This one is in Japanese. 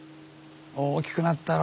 大きくなったろ？